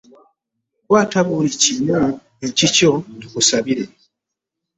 Kwata buli kimu ekikyo tukisabire.